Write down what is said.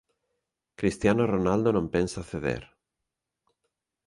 Cristiano Ronaldo non pensa ceder